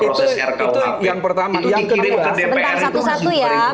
itu dikirim ke dpr itu masih berikut